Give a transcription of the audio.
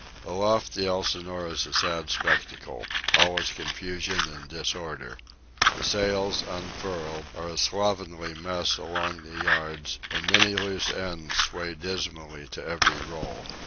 Aloft, the Elsinore is a sad spectacle. All is confusion and disorder. The sails, unfurled, are a slovenly mess along the yards, and many loose ends sway dismally to every roll.